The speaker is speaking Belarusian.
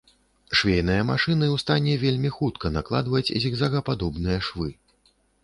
Швейныя машыны ў стане вельмі хутка накладваць зігзагападобныя швы.